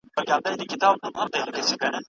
دا پروسه به په راتلونکي کي کومې اغېزې ولري؟